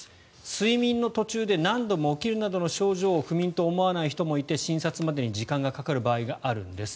睡眠の途中で何度も起きるなどの症状を不眠と思わない人もいて診察までに時間がかかる場合があるんです。